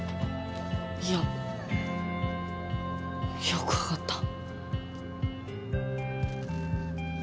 いや。よく分かった。